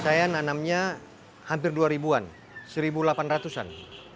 saya nanamnya hampir dua ribuan satu delapan ratus an